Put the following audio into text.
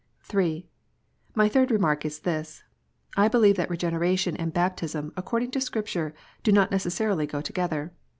(3) My third remark is this. I believe that Regeneration and baptism, according to Scripture, do not necessarily go together.